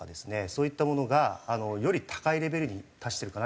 そういったものがより高いレベルに達してるかなって。